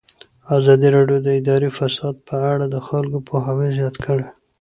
ازادي راډیو د اداري فساد په اړه د خلکو پوهاوی زیات کړی.